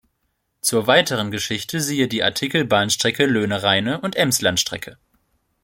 Zur weiteren Geschichte siehe die Artikel Bahnstrecke Löhne–Rheine und Emslandstrecke.